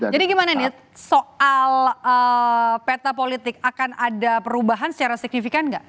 jadi gimana nih soal peta politik akan ada perubahan secara signifikan gak